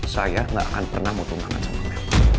saya gak akan pernah mau tunggangan sama om raymond